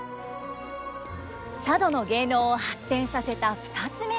佐渡の芸能を発展させた２つ目の理由